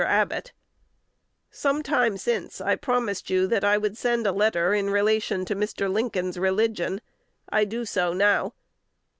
Abbott, Some time since I promised you that I would send a letter in relation to Mr. Lincoln's religion. I do so now.